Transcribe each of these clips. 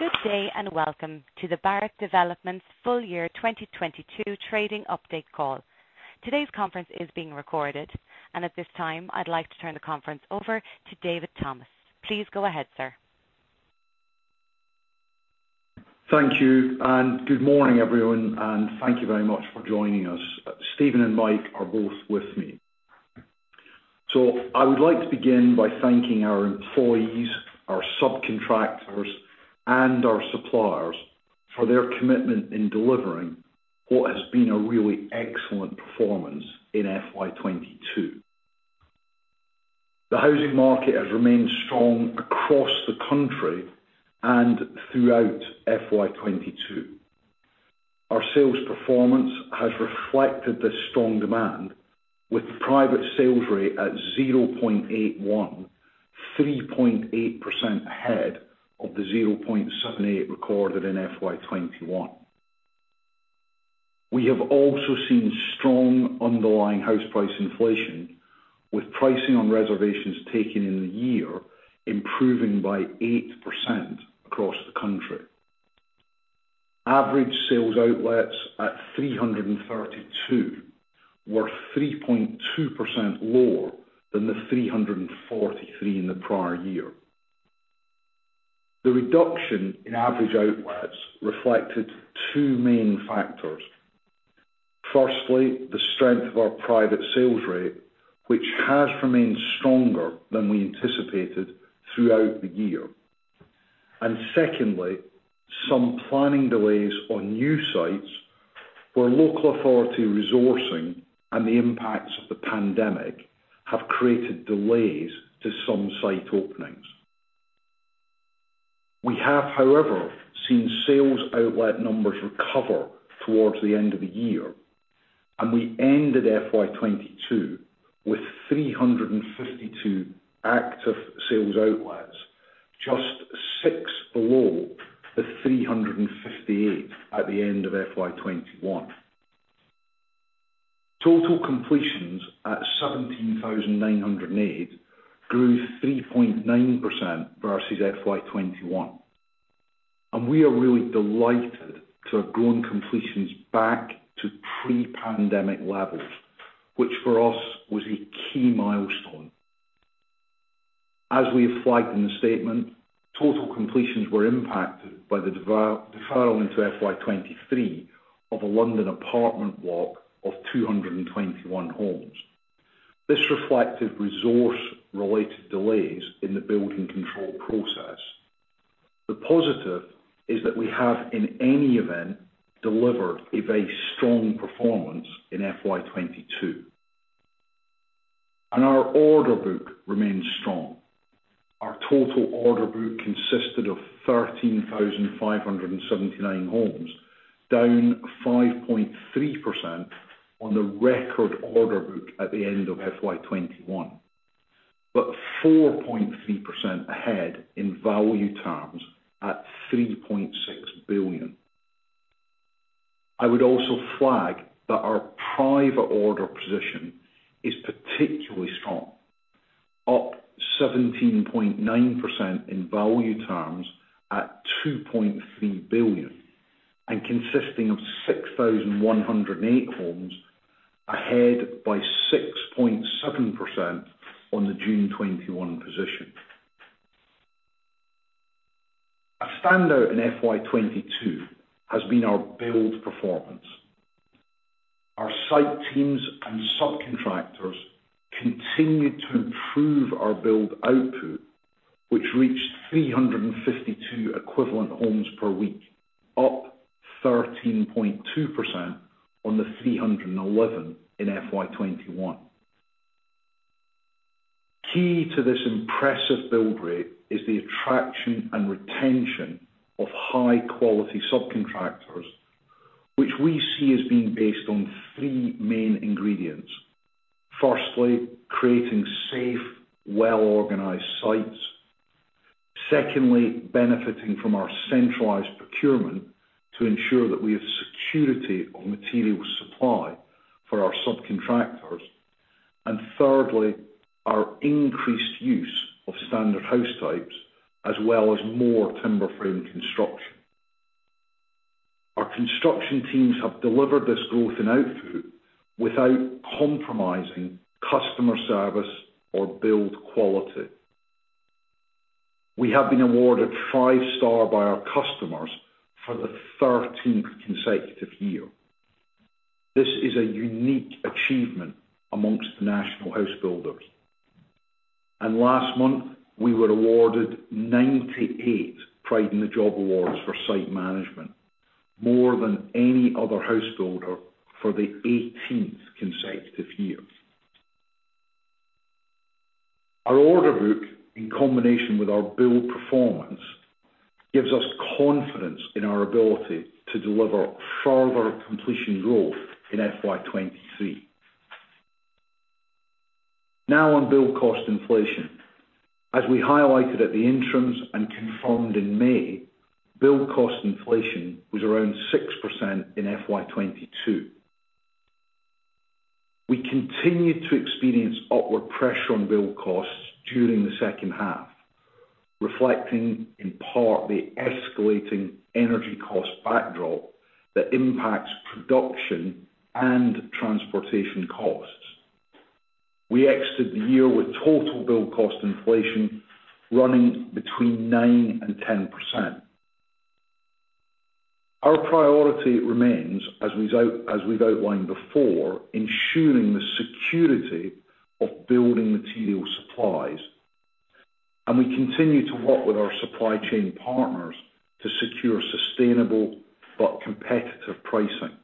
Good day, and welcome to the Barratt Developments full year 2022 trading update call. Today's conference is being recorded. At this time, I'd like to turn the conference over to David Thomas. Please go ahead, sir. Thank you, and good morning, everyone, and thank you very much for joining us. Steven and Mike are both with me. I would like to begin by thanking our employees, our subcontractors, and our suppliers for their commitment in delivering what has been a really excellent performance in FY 2022. The housing market has remained strong across the country and throughout FY 2022. Our sales performance has reflected this strong demand with private sales rate at 0.81, 3.8% ahead of the 0.78 recorded in FY 2021. We have also seen strong underlying house price inflation, with pricing on reservations taken in the year improving by 8% across the country. Average sales outlets at 332 were 3.2% lower than the 343 in the prior year. The reduction in average outlets reflected two main factors. Firstly, the strength of our private sales rate, which has remained stronger than we anticipated throughout the year. Secondly, some planning delays on new sites where local authority resourcing and the impacts of the pandemic have created delays to some site openings. We have, however, seen sales outlet numbers recover towards the end of the year, and we ended FY 2022 with 352 active sales outlets, just six below the 358 at the end of FY 2021. Total completions at 17,908 grew 3.9% versus FY 2021. We are really delighted to have grown completions back to pre-pandemic levels, which for us was a key milestone. As we have flagged in the statement, total completions were impacted by the deferral into FY 2023 of a London apartment block of 221 homes. This reflected resource related delays in the building control process. The positive is that we have in any event, delivered a very strong performance in FY 2022. Our order book remains strong. Our total order book consisted of 13,579 homes, down 5.3% on the record order book at the end of FY 2021, but 4.3% ahead in value terms at 3.6 billion. I would also flag that our private order position is particularly strong, up 17.9% in value terms at 2.3 billion, and consisting of 6,108 homes ahead by 6.7% on the June 2021 position. A standout in FY 2022 has been our build performance. Our site teams and subcontractors continued to improve our build output, which reached 352 equivalent homes per week, up 13.2% on the 311 in FY 2021. Key to this impressive build rate is the attraction and retention of high quality subcontractors, which we see as being based on three main ingredients. Firstly, creating safe, well-organized sites. Secondly, benefiting from our centralized procurement to ensure that we have security of material supply for our subcontractors. Thirdly, our increased use of standard house types as well as more timber frame construction. Our construction teams have delivered this growth in output without compromising customer service or build quality. We have been awarded five star by our customers for the 13th consecutive year. This is a unique achievement amongst national house builders. Last month, we were awarded 98 Pride in the Job awards for site management, more than any other house builder for the 18th consecutive year. Our order book, in combination with our build performance, gives us confidence in our ability to deliver further completion growth in FY 2023. Now on build cost inflation. As we highlighted at the interims and confirmed in May, build cost inflation was around 6% in FY 2022. We continued to experience upward pressure on build costs during the second half, reflecting in part the escalating energy cost backdrop that impacts production and transportation costs. We exited the year with total build cost inflation running between 9% and 10%. Our priority remains, as we've outlined before, ensuring the security of building material supplies. We continue to work with our supply chain partners to secure sustainable but competitive pricing.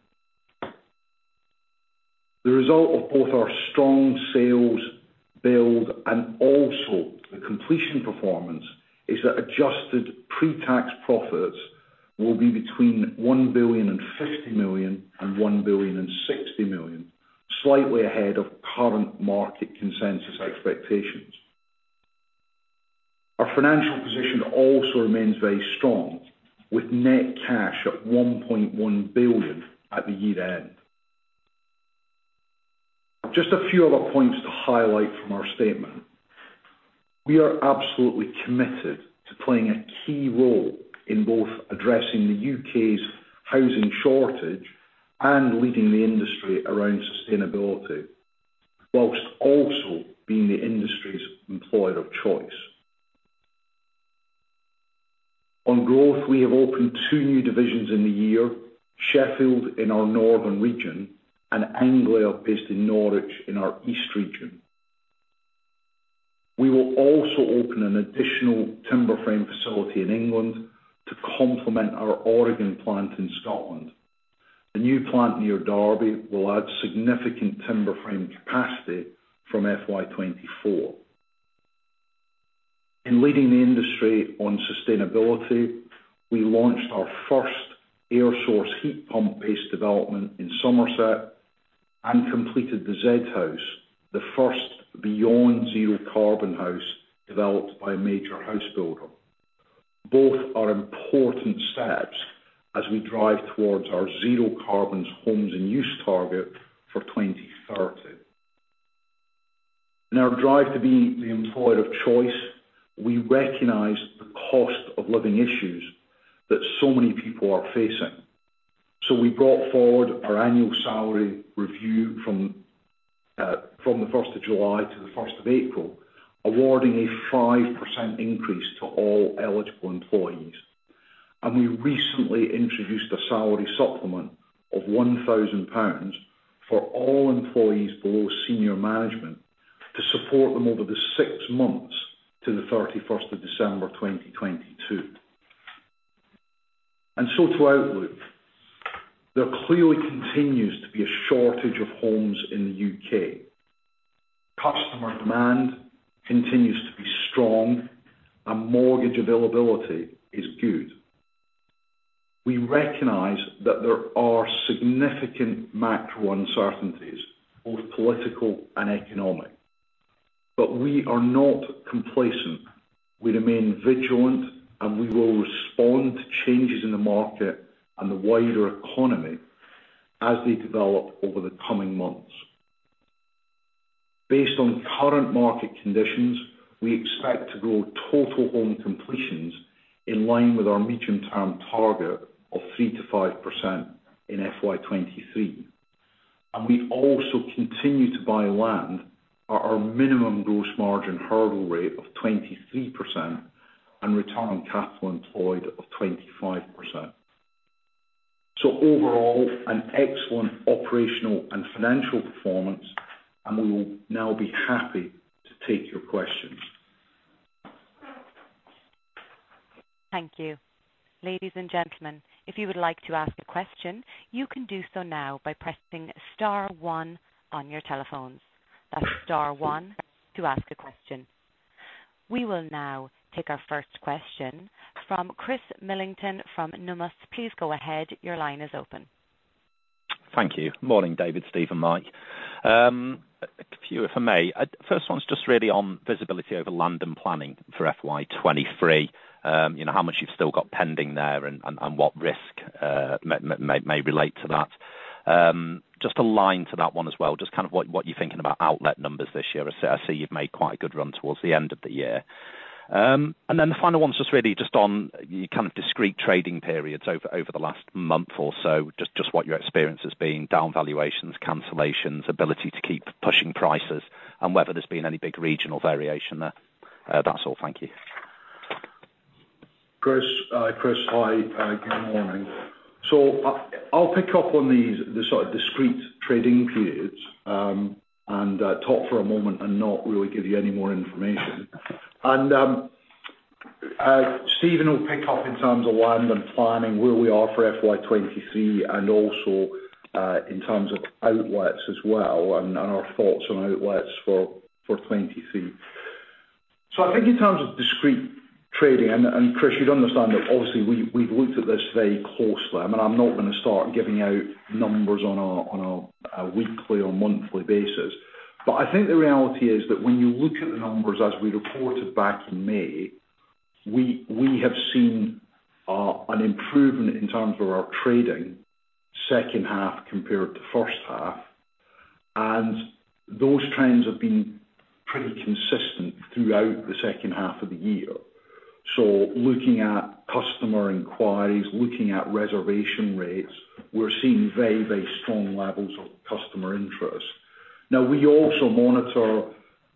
The result of both our strong sales build and also the completion performance is that adjusted pre-tax profits will be between 1.05 billion and 1.06 billion, slightly ahead of current market consensus expectations. Our financial position also remains very strong, with net cash of 1.1 billion at the year-end. Just a few other points to highlight from our statement. We are absolutely committed to playing a key role in both addressing the U.K.'s housing shortage and leading the industry around sustainability, while also being the industry's employer of choice. On growth, we have opened two new divisions in the year, Sheffield in our northern region and Anglia based in Norwich in our east region. We will also open an additional timber frame facility in England to complement our Oregon plant in Scotland. The new plant near Derby will add significant timber frame capacity from FY 2024. In leading the industry on sustainability, we launched our first air source heat pump-based development in Somerset and completed the Z House, the first beyond zero carbon house developed by a major house builder. Both are important steps as we drive towards our zero carbon homes and net zero target for 2030. In our drive to be the employer of choice, we recognize the cost of living issues that so many people are facing. We brought forward our annual salary review from 1st of July to 1st of April, awarding a 5% increase to all eligible employees. We recently introduced a salary supplement of 1,000 pounds for all employees below senior management to support them over the six months to 31st of December, 2022. To outlook, there clearly continues to be a shortage of homes in the U.K. Customer demand continues to be strong, and mortgage availability is good. We recognize that there are significant macro uncertainties, both political and economic. We are not complacent. We remain vigilant, and we will respond to changes in the market and the wider economy as they develop over the coming months. Based on current market conditions, we expect to grow total home completions in line with our medium-term target of 3%-5% in FY 2023. We also continue to buy land at our minimum gross margin hurdle rate of 23% and return capital employed of 25%. Overall, an excellent operational and financial performance, and we will now be happy to take your questions. Thank you. Ladies and gentlemen, if you would like to ask a question, you can do so now by pressing star one on your telephones. That's star one to ask a question. We will now take our first question from Chris Millington from Numis. Please go ahead. Your line is open. Thank you. Morning, David, Steve and Mike. A few for me. First one's just really on visibility over land and planning for FY 2023. You know, how much you've still got pending there and what risk may relate to that. Just a line to that one as well, just kind of what you're thinking about outlet numbers this year. I see you've made quite a good run towards the end of the year. The final one's just really on kind of discrete trading periods over the last month or so. Just what your experience has been, down valuations, cancellations, ability to keep pushing prices, and whether there's been any big regional variation there. That's all. Thank you. Chris, hi. Good morning. I'll pick up on these, the sort of discrete trading periods, and talk for a moment and not really give you any more information. Steven will pick up in terms of land and planning, where we are for FY 2023 and also in terms of outlets as well, and our thoughts on outlets for 2023. I think in terms of discrete trading, and Chris, you'd understand that obviously we've looked at this very closely. I mean, I'm not gonna start giving out numbers on a weekly or monthly basis. I think the reality is that when you look at the numbers as we reported back in May, we have seen an improvement in terms of our trading second half compared to first half, and those trends have been pretty consistent throughout the second half of the year. Looking at customer inquiries, looking at reservation rates, we're seeing very, very strong levels of customer interest. Now, we also monitor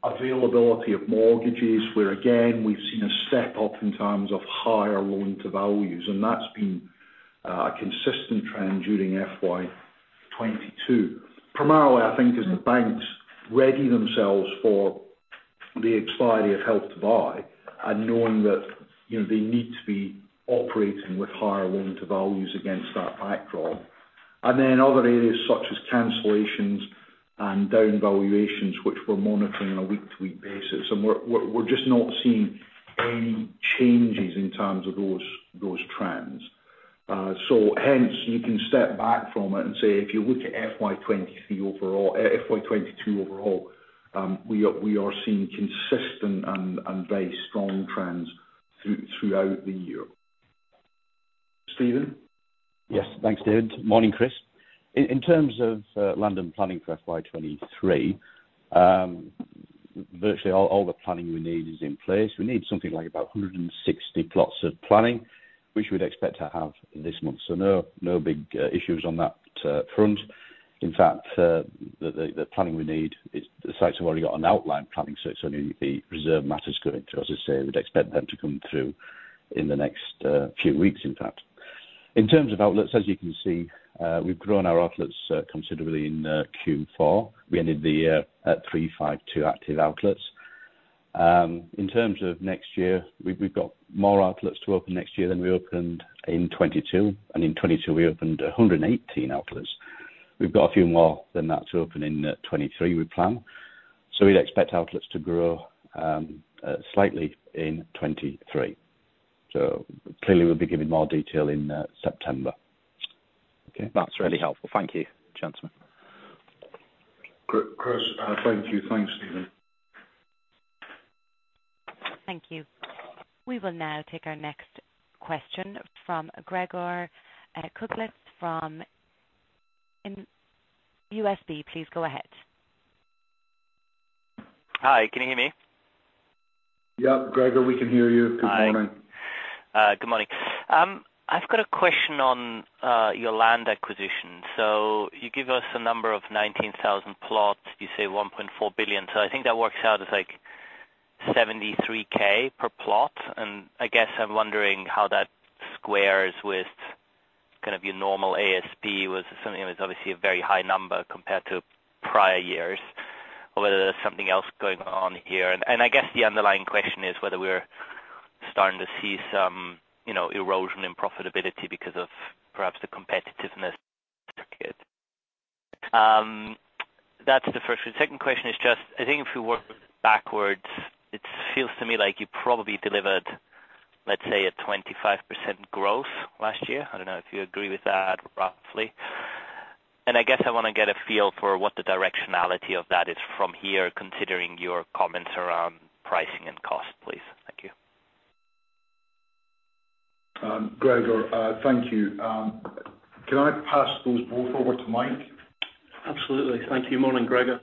availability of mortgages, where again, we've seen a step up in terms of higher loan to values, and that's been a consistent trend during FY 2022. Primarily, I think as the banks ready themselves for the expiry of Help to Buy and knowing that, you know, they need to be operating with higher loan to values against that backdrop. Other areas such as cancellations and down valuations, which we're monitoring on a week to week basis. We're just not seeing any changes in terms of those trends. Hence you can step back from it and say, if you look at FY 2023 overall, FY 2022 overall, we are seeing consistent and very strong trends throughout the year. Steven Boyes? Yes. Thanks, David. Morning, Chris. In terms of land planning for FY 2023, virtually all the planning we need is in place. We need something like about 160 plots of planning, which we'd expect to have in this month. No big issues on that front. In fact, the planning we need is the sites have already got an outline planning, so it's only the reserved matters coming through. As I say, we'd expect them to come through in the next few weeks in fact. In terms of outlets, as you can see, we've grown our outlets considerably in Q4. We ended the year at 352 active outlets. In terms of next year, we've got more outlets to open next year than we opened in 2022. In 2022 we opened 118 outlets. We've got a few more than that to open in 2023, we plan. We'd expect outlets to grow slightly in 2023. Clearly we'll be giving more detail in September. Okay. That's really helpful. Thank you, gentlemen. Chris, thank you. Thanks, Steven. Thank you. We will now take our next question from Gregor Kuglitsch from UBS. Please go ahead. Hi, can you hear me? Yeah, Gregor, we can hear you. Hi. Good morning. Good morning. I've got a question on your land acquisition. You give us a number of 19,000 plots. You say 1.4 billion. I think that works out as like 73,000 per plot. I guess I'm wondering how that squares with kind of your normal ASP was something, it was obviously a very high number compared to prior years, or whether there's something else going on here. I guess the underlying question is whether we're starting to see some, you know, erosion in profitability because of perhaps the competitiveness target. That's the first one. Second question is just, I think if we work backwards, it feels to me like you probably delivered, let's say a 25% growth last year. I don't know if you agree with that roughly. I guess I want to get a feel for what the directionality of that is from here, considering your comments around pricing and cost, please. Thank you. Gregor, thank you. Can I pass those both over to Mike? Absolutely. Thank you. Morning, Gregor.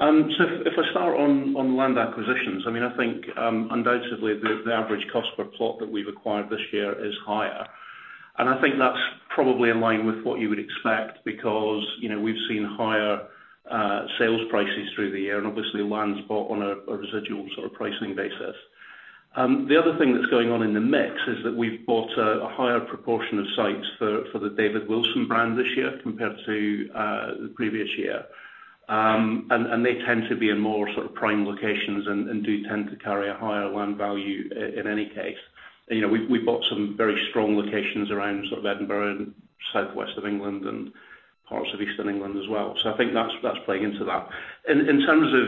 If I start on land acquisitions, I mean, I think undoubtedly the average cost per plot that we've acquired this year is higher. I think that's probably in line with what you would expect because, you know, we've seen higher sales prices through the year and obviously land's bought on a residual sort of pricing basis. The other thing that's going on in the mix is that we've bought a higher proportion of sites for the David Wilson brand this year compared to the previous year. They tend to be in more sort of prime locations and do tend to carry a higher land value in any case. You know, we've bought some very strong locations around sort of Edinburgh and southwest of England and parts of Eastern England as well. I think that's playing into that. In terms of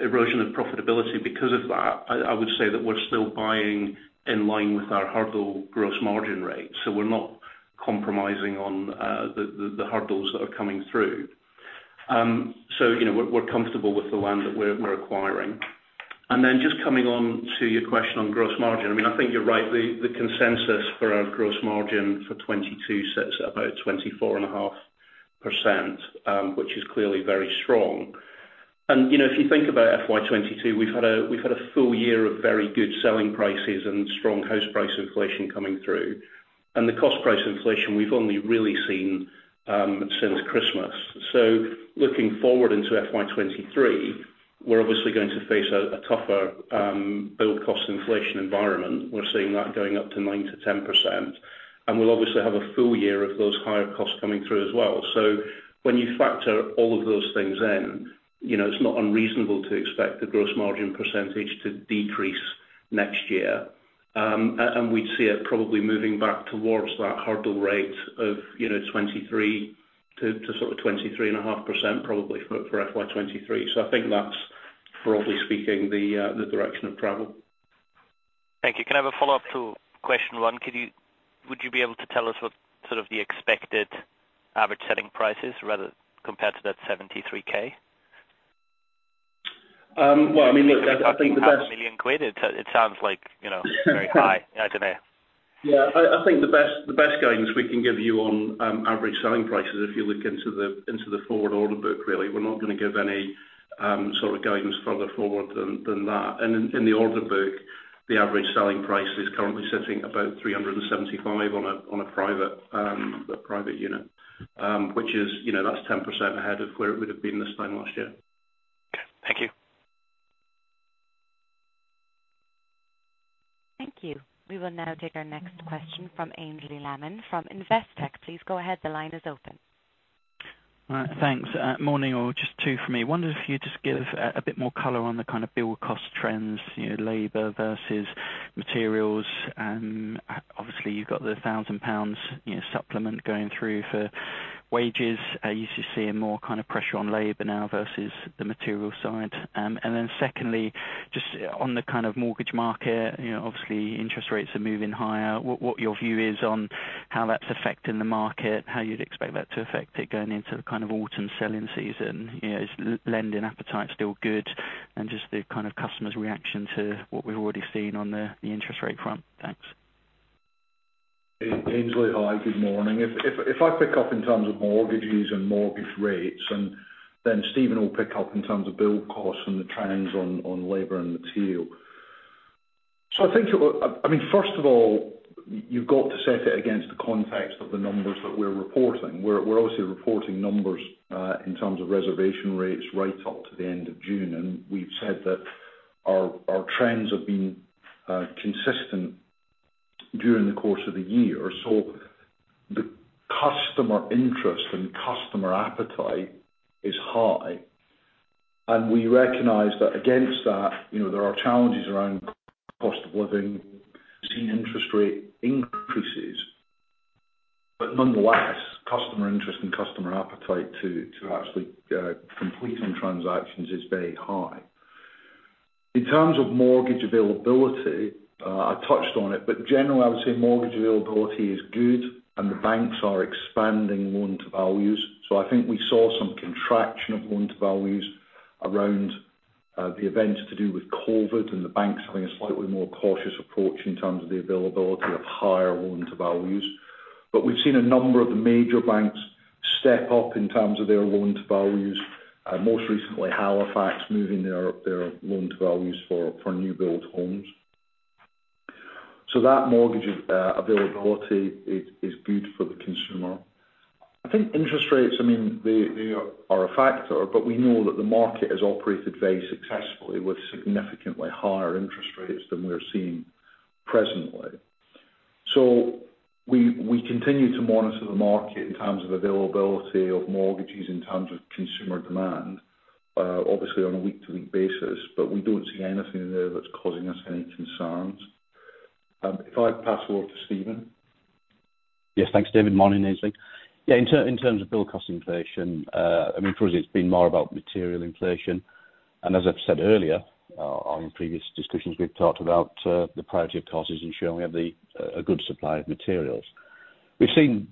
erosion of profitability because of that, I would say that we're still buying in line with our hurdle gross margin rate, so we're not compromising on the hurdles that are coming through. You know, we're comfortable with the land that we're acquiring. Then just coming on to your question on gross margin, I mean, I think you're right. The consensus for our gross margin for 2022 sits at about 24.5%, which is clearly very strong. You know, if you think about FY 2022, we've had a full year of very good selling prices and strong house price inflation coming through, and the cost price inflation we've only really seen since Christmas. Looking forward into FY 2023, we're obviously going to face a tougher build cost inflation environment. We're seeing that going up to 9%-10%, and we'll obviously have a full year of those higher costs coming through as well. When you factor all of those things in, you know, it's not unreasonable to expect the gross margin percentage to decrease next year. We see it probably moving back towards that hurdle rate of, you know, 23%-23.5% probably for FY 2023. I think that's broadly speaking the direction of travel. Thank you. Can I have a follow-up to question one? Would you be able to tell us what sort of the expected average selling price is rather compared to that 73,000? Well, I mean, look, I think the best. 1 million quid, it sounds like, you know, very high. I don't know. Yeah. I think the best guidance we can give you on average selling prices, if you look into the forward order book, really, we're not gonna give any sort of guidance further forward than that. In the order book, the average selling price is currently sitting about 375 on a private unit, which is, you know, that's 10% ahead of where it would've been this time last year. Okay. Thank you. Thank you. We will now take our next question from Aynsley Lammin from Investec. Please go ahead. The line is open. Thanks, morning, all. Just two for me. Wonder if you'd just give a bit more color on the kind of build cost trends, you know, labor versus materials, and obviously you've got the 1,000 pounds, you know, supplement going through for wages. Are you seeing more kind of pressure on labor now versus the material side? And then secondly, just on the kind of mortgage market, you know, obviously interest rates are moving higher. What your view is on how that's affecting the market, how you'd expect that to affect it going into the kind of autumn selling season? You know, is lending appetite still good? And just the kind of customers' reaction to what we've already seen on the interest rate front. Thanks. Aynsley, hi, good morning. If I pick up in terms of mortgages and mortgage rates, and then Steven will pick up in terms of build costs and the trends on labor and material. I think you're, I mean, first of all, you've got to set it against the context of the numbers that we're reporting. We're obviously reporting numbers in terms of reservation rates right up to the end of June. We've said that our trends have been consistent during the course of the year. The customer interest and customer appetite is high, and we recognize that against that, you know, there are challenges around cost of living, seeing interest rate increases. Nonetheless, customer interest and customer appetite to actually complete on transactions is very high. In terms of mortgage availability, I touched on it, but generally I would say mortgage availability is good and the banks are expanding loan to values. I think we saw some contraction of loan to values around the events to do with COVID and the banks having a slightly more cautious approach in terms of the availability of higher loan to values. We've seen a number of the major banks step up in terms of their loan to values, most recently Halifax moving their loan to values for new build homes. That mortgage availability is good for the consumer. I think interest rates, I mean, they are a factor, but we know that the market has operated very successfully with significantly higher interest rates than we're seeing presently. We continue to monitor the market in terms of availability of mortgages, in terms of consumer demand, obviously on a week-to-week basis, but we don't see anything in there that's causing us any concerns. If I pass you over to Steven. Yes. Thanks, David. Morning, Ainsley. Yeah, in terms of build cost inflation, I mean, for us it's been more about material inflation. As I've said earlier, on previous discussions, we've talked about the priority of cost is ensuring we have a good supply of materials. We've seen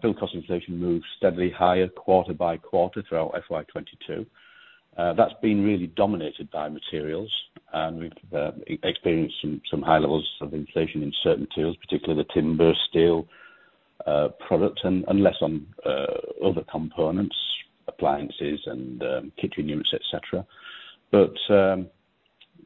build cost inflation move steadily higher quarter by quarter throughout FY 2022. That's been really dominated by materials, and we've experienced some high levels of inflation in certain materials, particularly the timber, steel products, and also on other components, appliances and kitchen units, et cetera.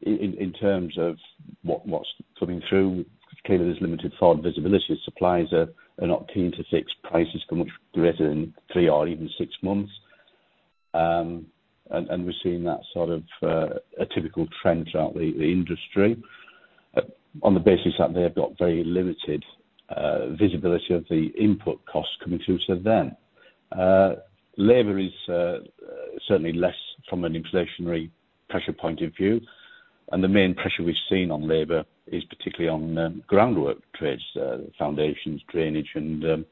In terms of what's coming through, clearly there's limited forward visibility. Suppliers are not keen to fix prices for much greater than three or even six months. We're seeing that sort of a typical trend throughout the industry on the basis that they have got very limited visibility of the input costs coming through to them. Labor is certainly less from an inflationary pressure point of view, and the main pressure we've seen on labor is particularly on groundwork trades, foundations, drainage and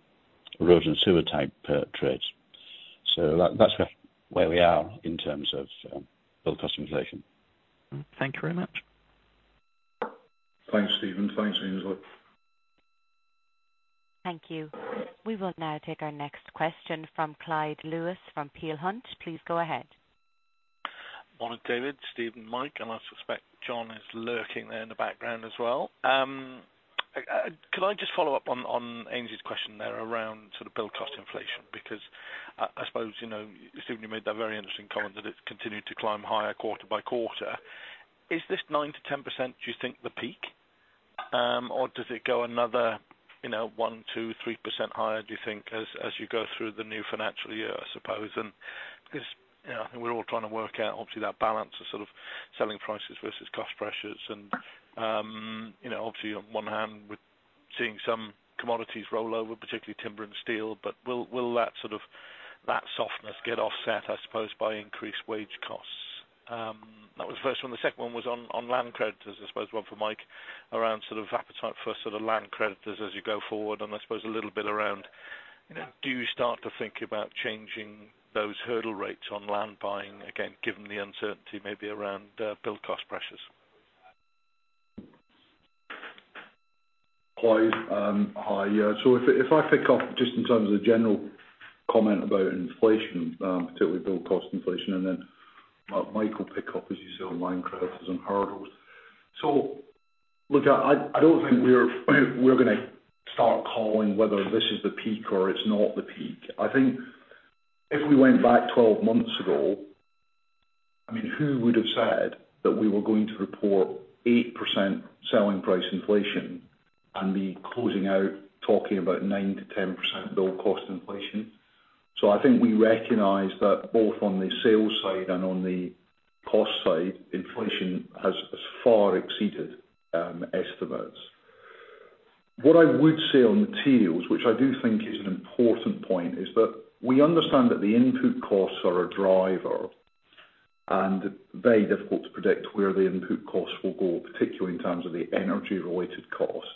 road and sewer type trades. That's where we are in terms of build cost inflation. Thank you very much. Thanks, Steven. Thanks, Aynsley. Thank you. We will now take our next question from Clyde Lewis from Peel Hunt. Please go ahead. Morning, David, Steven, Mike, and I suspect John is lurking there in the background as well. Could I just follow up on Ainsley's question there around sort of build cost inflation? Because I suppose, you know, Steven, you made that very interesting comment that it's continued to climb higher quarter by quarter. Is this 9%-10% do you think the peak? Or does it go another, you know, 1%, 2%, 3% higher, do you think as you go through the new financial year, I suppose? Because, you know, I think we're all trying to work out obviously that balance of sort of selling prices versus cost pressures and, you know, obviously on one hand we're seeing some commodities roll over, particularly timber and steel, but will that sort of, that softness get offset, I suppose, by increased wage costs? That was the first one. The second one was on land creditors, I suppose one for Mike around sort of appetite for sort of land creditors as you go forward and I suppose a little bit around. Do you start to think about changing those hurdle rates on land buying again, given the uncertainty maybe around build cost pressures? Clyde, hi. Yeah, if I pick up just in terms of general comment about inflation, particularly build cost inflation, and then Mike will pick up, as you say, on land credits and hurdles. Look, I don't think we're gonna start calling whether this is the peak or it's not the peak. I think if we went back 12 months ago, I mean, who would have said that we were going to report 8% selling price inflation and be closing out talking about 9%-10% build cost inflation. I think we recognize that both on the sales side and on the cost side, inflation has far exceeded estimates. What I would say on materials, which I do think is an important point, is that we understand that the input costs are a driver and very difficult to predict where the input costs will go, particularly in terms of the energy-related costs.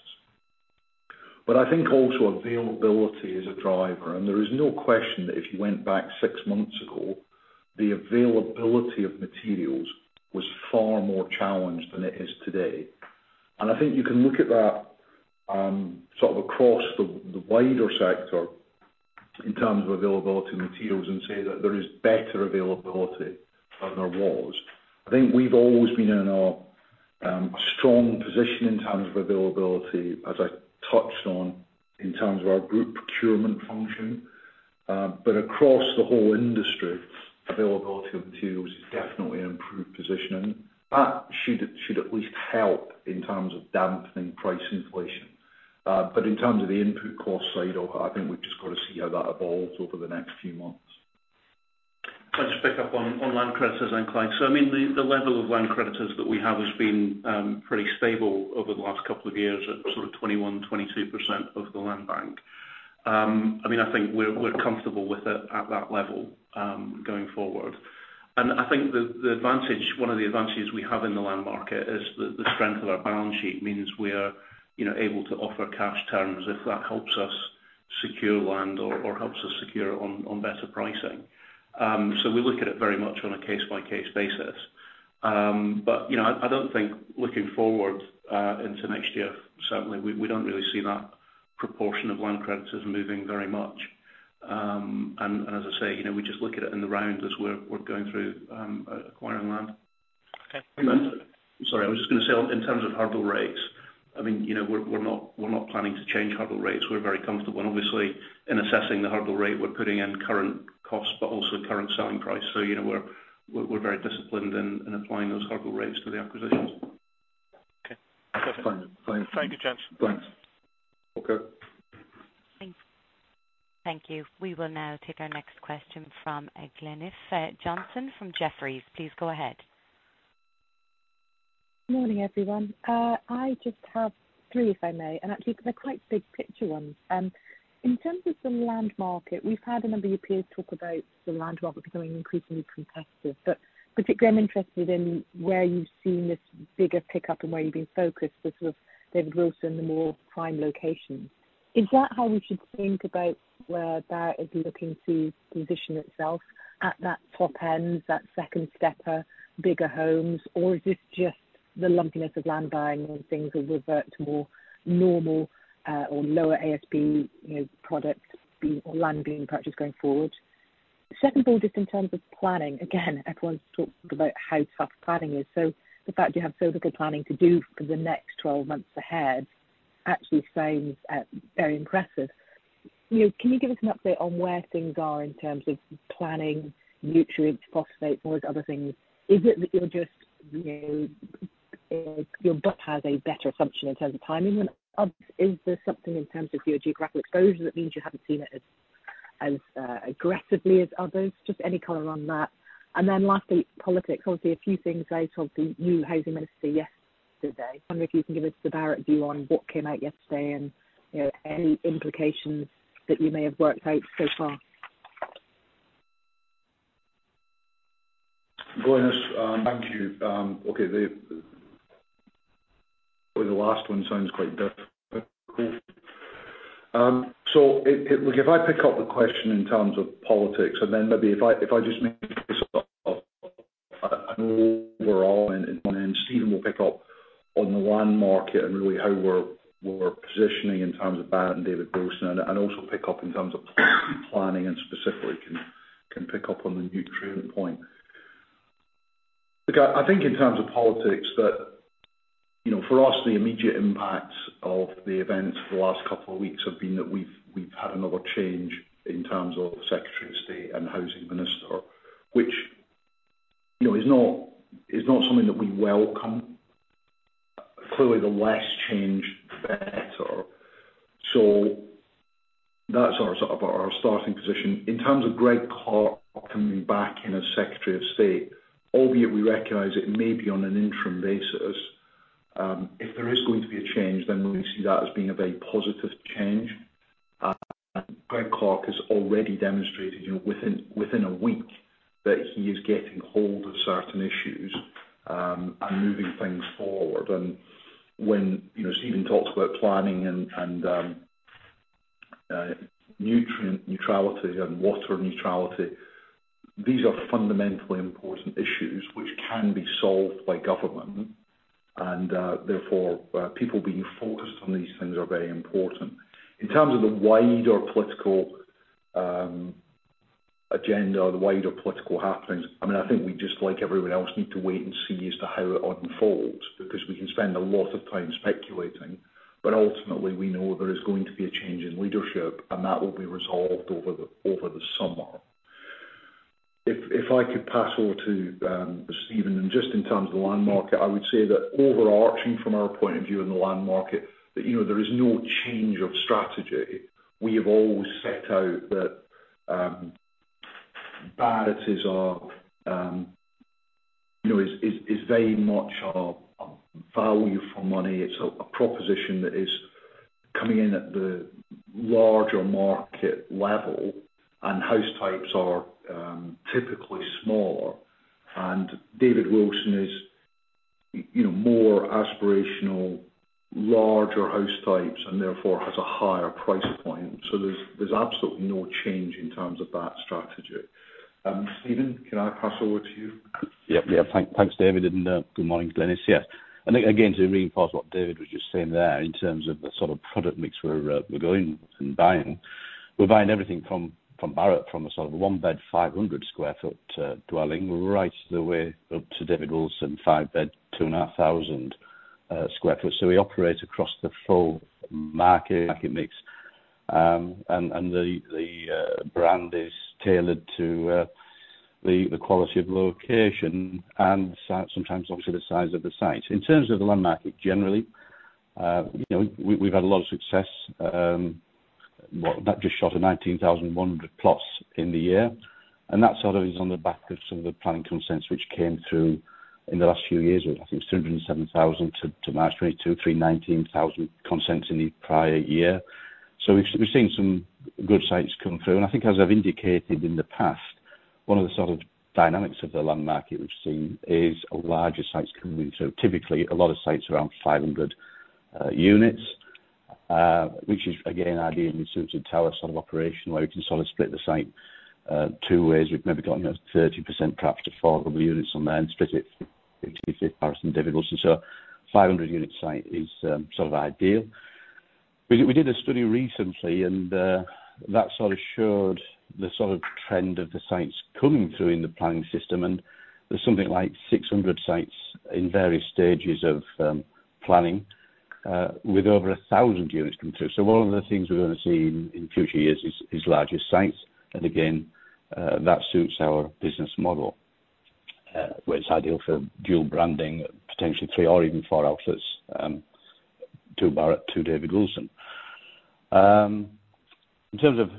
I think also availability is a driver, and there is no question that if you went back six months ago, the availability of materials was far more challenged than it is today. I think you can look at that, sort of across the wider sector in terms of availability of materials and say that there is better availability than there was. I think we've always been in a strong position in terms of availability, as I touched on, in terms of our group procurement function. Across the whole industry, availability of materials has definitely improved positioning. That should at least help in terms of dampening price inflation. In terms of the input cost side, I think we've just got to see how that evolves over the next few months. Can I just pick up on land credits then, Clyde? I mean, the level of land credits that we have has been pretty stable over the last couple of years at sort of 21%-22% of the land bank. I mean, I think we're comfortable with it at that level going forward. I think the advantage, one of the advantages we have in the land market is the strength of our balance sheet means we are, you know, able to offer cash terms if that helps us secure land or helps us secure on better pricing. So we look at it very much on a case-by-case basis. But you know, I don't think looking forward into next year, certainly we don't really see that proportion of land credits as moving very much. As I say, you know, we just look at it in the round as we're going through acquiring land. Okay. Sorry, I was just gonna say in terms of hurdle rates, I mean, you know, we're not planning to change hurdle rates. We're very comfortable. Obviously in assessing the hurdle rate, we're putting in current costs, but also current selling price. You know, we're very disciplined in applying those hurdle rates to the acquisitions. Okay. Perfect. Fine. Thank you, gents. Thanks. Okay. Thank you. We will now take our next question from Glynis Johnson from Jefferies. Please go ahead. Morning, everyone. I just have three, if I may, and actually they're quite big picture ones. In terms of the land market, we've had a number of your peers talk about the land market becoming increasingly contested. Particularly I'm interested in where you've seen this bigger pickup and where you've been focused with sort of David Wilson Homes, the more prime locations. Is that how we should think about where Barratt is looking to position itself at that top end, that second stepper, bigger homes? Or is this just the lumpiness of land buying and things will revert to more normal, or lower ASP, you know, products being, or land being purchased going forward? Secondly, just in terms of planning, again, everyone's talked about how tough planning is. The fact you have so little planning to do for the next 12 months ahead actually seems very impressive. You know, can you give us an update on where things are in terms of planning, nutrients, phosphate, all those other things? Is it that you're just, you know, your land bank has a better assumption in terms of timing? Or is there something in terms of your geographic exposure that means you haven't seen it as, aggressively as others? Just any color on that. Lastly, politics. Obviously a few things out of the new Housing Minister yesterday. I wonder if you can give us the Barratt view on what came out yesterday and, you know, any implications that you may have worked out so far. Glynis, thank you. Okay, the last one sounds quite difficult. Look, if I pick up the question in terms of politics and then maybe if I just make a sort of overall and then Steven will pick up on the land market and really how we're positioning in terms of Barratt and David Wilson and also pick up in terms of planning and specifically can pick up on the nutrient neutrality. Look, I think in terms of politics that, you know, for us the immediate impact of the events of the last couple of weeks have been that we've had another change in terms of Secretary of State and Housing Minister, which, you know, is not something that we welcome. Clearly the less change the better. That's our sort of starting position. In terms of Greg Clark coming back in as Secretary of State, albeit we recognize it may be on an interim basis, if there is going to be a change, then we see that as being a very positive change. Greg Clark has already demonstrated, you know, within a week that he is getting hold of certain issues, and moving things forward. When, you know, Steven talks about planning and nutrient neutrality and water neutrality, these are fundamentally important issues which can be solved by government. Therefore, people being focused on these things are very important. In terms of the wider political agenda, the wider political happenings, I mean, I think we just like everyone else need to wait and see as to how it unfolds, because we can spend a lot of time speculating, but ultimately we know there is going to be a change in leadership, and that will be resolved over the summer. If I could pass over to Steven, and just in terms of land market, I would say that overarching from our point of view in the land market, you know, there is no change of strategy. We have always set out that Barratt is our, you know, is very much our value for money. It's a proposition that is coming in at the larger market level and house types are typically smaller. David Wilson is, you know, more aspirational, larger house types, and therefore has a higher price point. There's absolutely no change in terms of that strategy. Steven, can I pass over to you? Thanks David, and good morning, Glynis. Yes. I think, again, to reinforce what David was just saying there in terms of the sort of product mix we're going and buying, we're buying everything from Barratt, from a sort of one-bed, 500 sq ft dwelling, right the way up to David Wilson, five-bed, 2,500 sq ft. We operate across the full market mix. The brand is tailored to the quality of location and sometimes obviously the size of the site. In terms of the land market, generally, you know, we've had a lot of success, that just shot to 19,100 plots in the year, and that sort of is on the back of some of the planning consents which came through in the last few years. I think it's 207,000 to March 2023, 19,000 consents in the prior year. We've seen some good sites come through. I think as I've indicated in the past, one of the sort of dynamics of the land market we've seen is larger sites coming through. Typically a lot of sites around 500 units, which is again ideally suited to our sort of operation where we can sort of split the site two ways. We've maybe gotten 30% caps to 400 units on there and split it, Barratt and David Wilson. A 500-unit site is sort of ideal. We did a study recently and that sort of showed the sort of trend of the sites coming through in the planning system, and there's something like 600 sites in various stages of planning with over 1,000 units coming through. One of the things we're gonna see in future years is larger sites. Again, that suits our business model, where it's ideal for dual branding, potentially three or even four outlets, two Barratt, two David Wilson. In terms of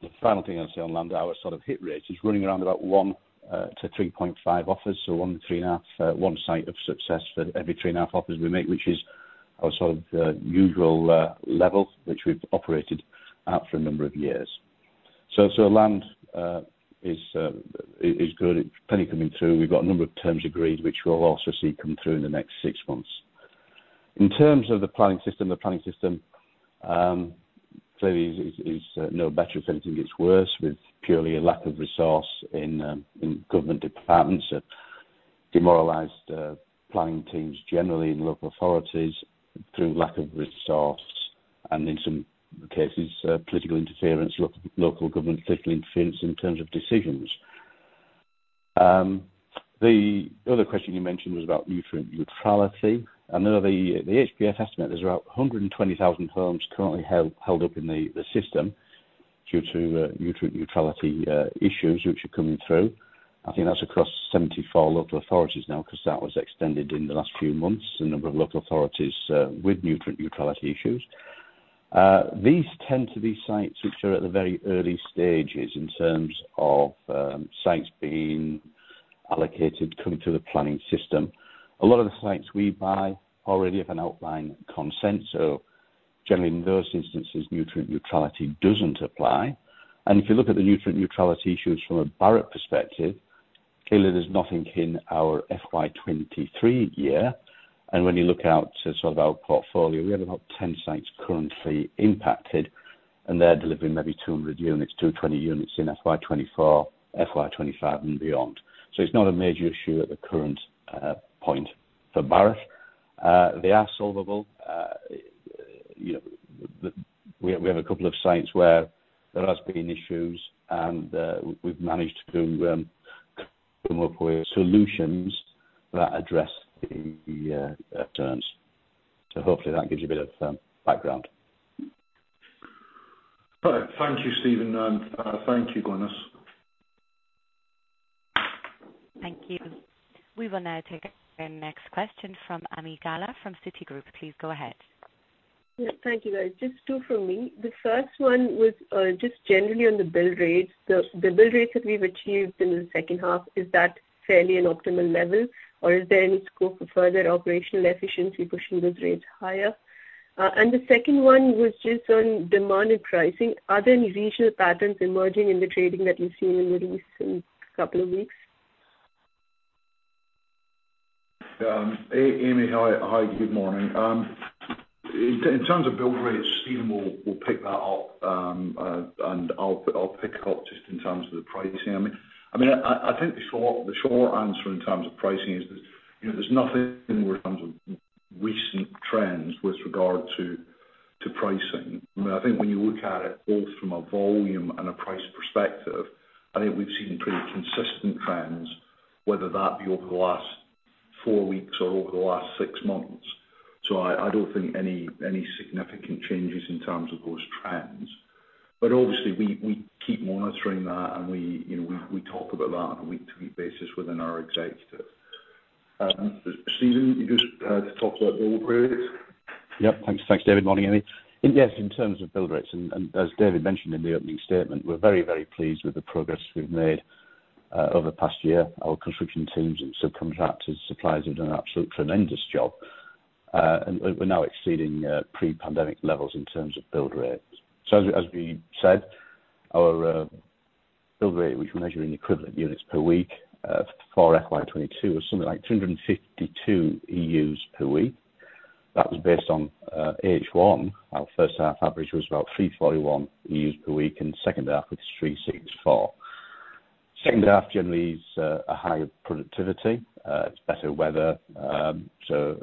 the final thing I'd say on land, our sort of hit rate is running around about one to 3.5 offers, so one to 3.5, one site of success for every 3.5 offers we make, which is our sort of usual level which we've operated at for a number of years. Land is good. Plenty coming through. We've got a number of terms agreed, which we'll also see come through in the next six months. In terms of the planning system, clearly is no better, if anything it gets worse with purely a lack of resource in government departments, demoralized planning teams generally in local authorities through lack of resource and in some cases, political interference, local government political interference in terms of decisions. The other question you mentioned was about nutrient neutrality. I know the HBF estimate is about 120,000 homes currently held up in the system due to nutrient neutrality issues which are coming through. I think that's across 74 local authorities now, because that was extended in the last few months, a number of local authorities with nutrient neutrality issues. These tend to be sites which are at the very early stages in terms of sites being allocated, coming through the planning system. A lot of the sites we buy already have an outline consent, so generally in those instances, nutrient neutrality doesn't apply. If you look at the nutrient neutrality issues from a Barratt perspective, clearly there's nothing in our FY 2023 year. When you look out to sort of our portfolio, we have about 10 sites currently impacted and they're delivering maybe 200 units, 220 units in FY 2024, FY 2025 and beyond. It's not a major issue at the current point for Barratt. They are solvable. You know, we have a couple of sites where there has been issues and we've managed to come up with solutions that address the terms. Hopefully that gives you a bit of background. All right. Thank you, Steven. Thank you, Glynis. Thank you. We will now take our next question from Ami Galla from Citigroup. Please go ahead. Yeah, thank you, guys. Just two from me. The first one was just generally on the build rates. The build rates that we've achieved in the second half, is that fairly an optimal level or is there any scope for further operational efficiency pushing those rates higher? The second one was just on demand and pricing. Are there any regional patterns emerging in the trading that you've seen in the recent couple of weeks? Ami, hi. Hi, good morning. In terms of build rates, Steven will pick that up, and I'll pick up just in terms of the pricing. I mean, I think the short answer in terms of pricing is there's, you know, there's nothing in terms of recent trends with regard to pricing. I mean, I think when you look at it both from a volume and a price perspective, I think we've seen pretty consistent trends, whether that be over the last four weeks or over the last six months. I don't think any significant changes in terms of those trends. Obviously we keep monitoring that and we, you know, we talk about that on a week-to-week basis within our executive. Steven, you just had to talk about build rates. Yep. Thanks. Thanks, David. Morning, Ami. Yes, in terms of build rates, as David mentioned in the opening statement, we're very, very pleased with the progress we've made over the past year. Our construction teams and subcontractors, suppliers have done an absolutely tremendous job. We're now exceeding pre-pandemic levels in terms of build rates. As we said, our build rate, which we measure in equivalent units per week, for FY 2022 was something like 252 EUs per week. That was based on H1. Our first half average was about 341 EUs per week, and second half it was 364. Second half generally is a higher productivity. It's better weather. That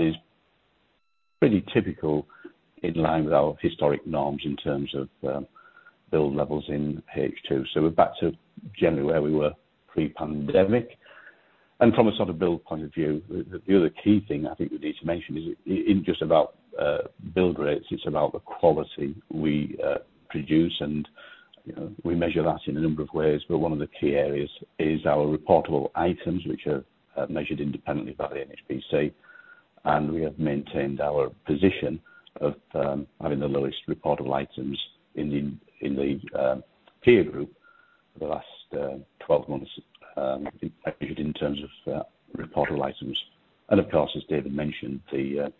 is pretty typical in line with our historic norms in terms of build levels on page two. We're back to generally where we were pre-pandemic. From a sort of build point of view, the other key thing I think we need to mention is it isn't just about build rates, it's about the quality we produce. You know, we measure that in a number of ways, but one of the key areas is our Reportable Items, which are measured independently by the NHBC. We have maintained our position of having the lowest Reportable Items in the peer group for the last 12 months, I believe in terms of Reportable Items. Of course, as David mentioned, the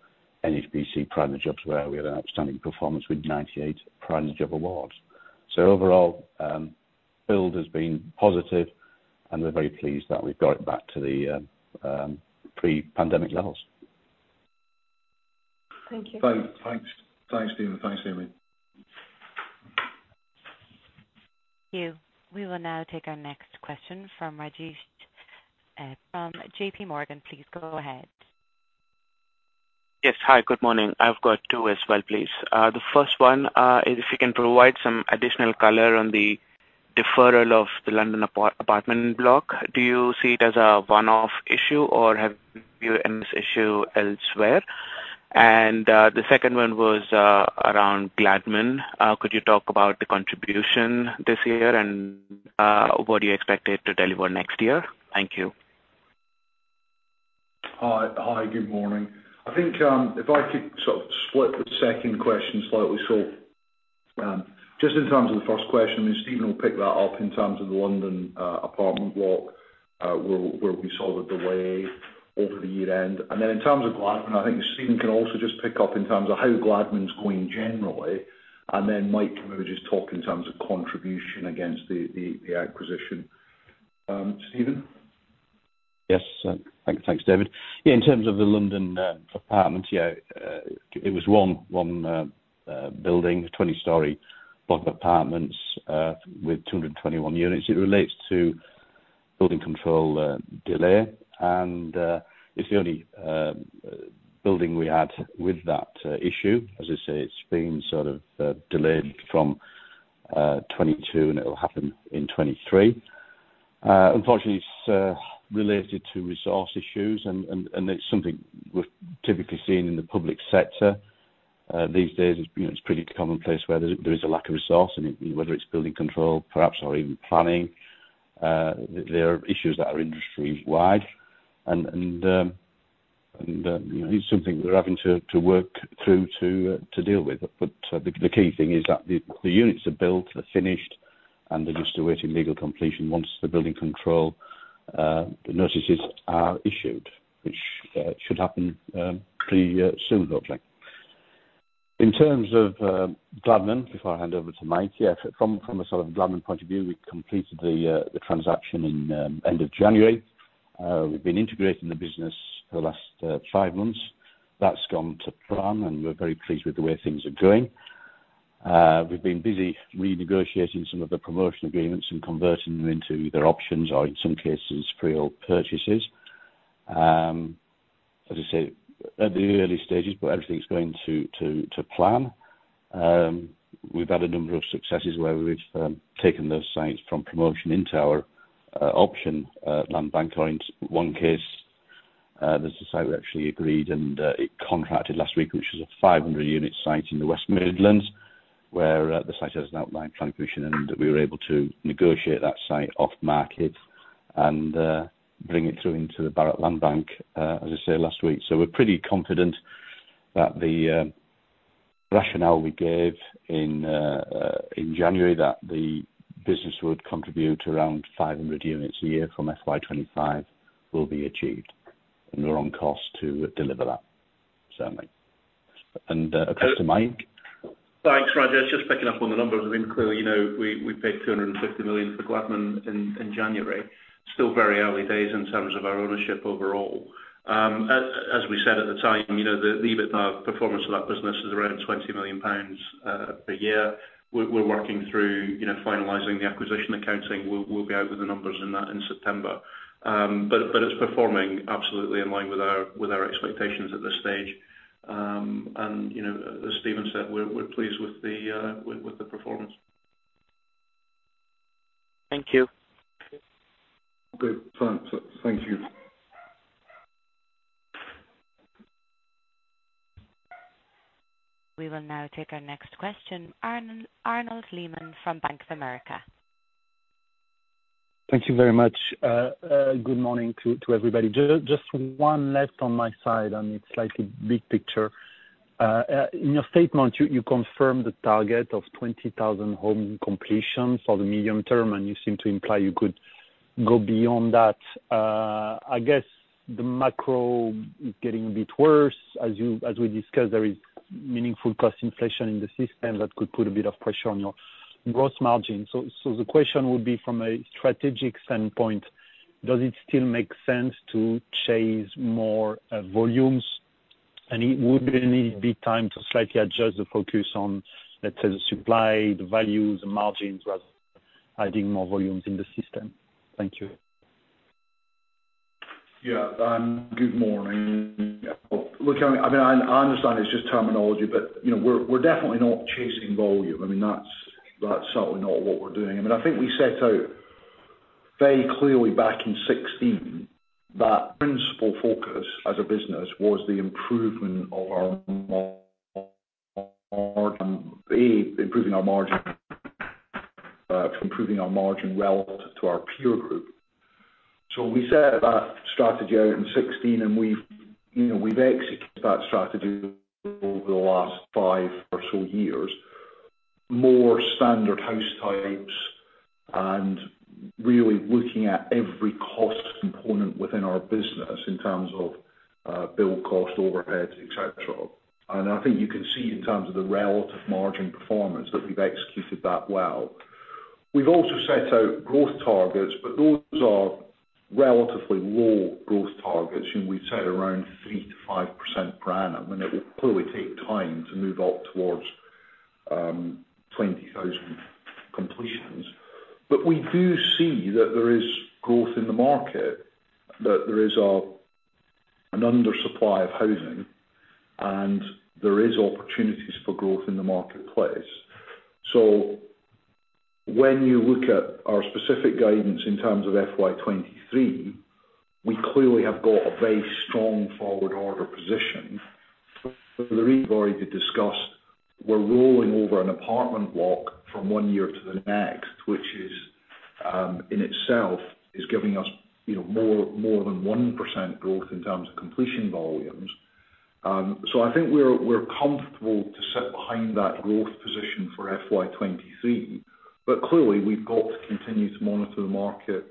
NHBC Pride in the Job where we had an outstanding performance with 98 Pride in the Job awards. Overall, build has been positive, and we're very pleased that we've got it back to the pre-pandemic levels. Thank you. Thanks. Thanks, Steven. Thanks, Ami. Thank you. We will now take our next question from Rajesh from JPMorgan. Please go ahead. Yes. Hi, good morning. I've got two as well, please. The first one is if you can provide some additional color on the deferral of the London apartment block. Do you see it as a one-off issue or have you had this issue elsewhere? The second one was around Gladman. Could you talk about the contribution this year and what do you expect it to deliver next year? Thank you. Hi. Hi, good morning. I think, if I could sort of split the second question slightly. Just in terms of the first question, I mean, Steven will pick that up in terms of the London apartment block, where we saw the delay over the year-end. Then in terms of Gladman, I think Steven can also just pick up in terms of how Gladman's going generally, and then Mike can maybe just talk in terms of contribution against the acquisition. Steven? Yes. Thanks, David. Yeah, in terms of the London apartment, it was one building, 20-story block apartments with 221 units. It relates to building control delay and it's the only building we had with that issue. As I say, it's been sort of delayed from 2022 and it'll happen in 2023. Unfortunately, it's related to resource issues and it's something we've typically seen in the public sector these days. You know, it's pretty commonplace where there is a lack of resource, and whether it's building control perhaps or even planning, there are issues that are industry wide. You know, it's something we're having to work through to deal with. The key thing is that the units are built, they're finished, and they're just awaiting legal completion once the building control notices are issued, which should happen pretty soon hopefully. In terms of Gladman, before I hand over to Mike, yeah, from a sort of Gladman point of view, we completed the transaction in end of January. We've been integrating the business for the last five months. That's gone to plan, and we're very pleased with the way things are going. We've been busy renegotiating some of the promotion agreements and converting them into either options or in some cases pre-owned purchases. As I say, at the early stages, everything's going to plan. We've had a number of successes where we've taken those sites from promotion into our option land bank lines. One case, there's a site we actually agreed and it contracted last week, which is a 500-unit site in the West Midlands, where the site has an outline planning permission, and we were able to negotiate that site off-market and bring it through into the Barratt Land Bank, as I say last week. We're pretty confident that the rationale we gave in January that the business would contribute around 500 units a year from FY 2025 will be achieved, and we're on course to deliver that certainly. Across to Mike. Thanks, Rajesh. Just picking up on the numbers. I mean, clearly, you know, we paid 250 million for Gladman in January. Still very early days in terms of our ownership overall. As we said at the time, you know, the EBITDA performance of that business is around 20 million pounds per year. We're working through, you know, finalizing the acquisition accounting. We'll be out with the numbers on that in September. It's performing absolutely in line with our expectations at this stage. You know, as Steven said, we're pleased with the performance. Thank you. Good. Fine. Thank you. We will now take our next question. Arnaud Lehmann from Bank of America. Thank you very much. Good morning to everybody. Just one left on my side, and it's like a big picture. In your statement, you confirm the target of 20,000 home completions for the medium term, and you seem to imply you could go beyond that. I guess the macro is getting a bit worse. As we discussed, there is meaningful cost inflation in the system that could put a bit of pressure on your gross margin. So the question would be from a strategic standpoint, does it still make sense to chase more volumes? And would there need to be time to slightly adjust the focus on, let's say, the supply, the values, the margins, rather than adding more volumes in the system? Thank you. Yeah. Good morning. Look, I mean, I understand it's just terminology, but, you know, we're definitely not chasing volume. I mean, that's certainly not what we're doing. I mean, I think we set out very clearly back in 2016 that principal focus as a business was the improvement of our margin, improving our margin relative to our peer group. We set that strategy out in 2016, and you know, we've executed that strategy over the last five or so years, more standard house types and really looking at every cost component within our business in terms of build cost, overheads, et cetera. I think you can see in terms of the relative margin performance that we've executed that well. We've also set out growth targets, but those are relatively low growth targets, and we set around 3%-5% per annum, and it will clearly take time to move up towards 20,000 completions. We do see that there is growth in the market, that there is an undersupply of housing, and there is opportunities for growth in the marketplace. When you look at our specific guidance in terms of FY 2023, we clearly have got a very strong forward order position. For the reason we already discussed, we're rolling over an apartment block from one year to the next, which, in itself, is giving us you know more than 1% growth in terms of completion volumes. I think we're comfortable to sit behind that growth position for FY 2023. Clearly, we've got to continue to monitor the market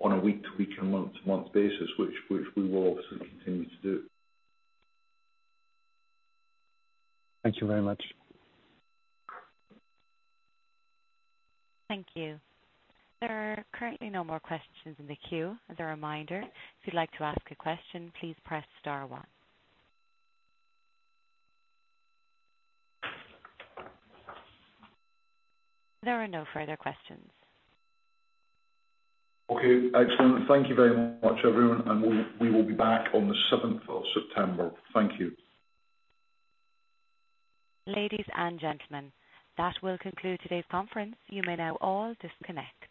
on a week-to-week and month-to-month basis, which we will obviously continue to do. Thank you very much. Thank you. There are currently no more questions in the queue. As a reminder, if you'd like to ask a question, please press star one. There are no further questions. Okay. Excellent. Thank you very much, everyone, and we will be back on the 7th of September. Thank you. Ladies and gentlemen, that will conclude today's conference. You may now all disconnect.